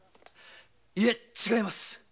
いえ違います！